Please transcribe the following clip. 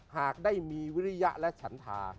หากได้มีวิริยะและฉันธา